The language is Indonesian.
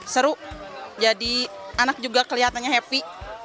seru jadi anak juga kelihatannya happy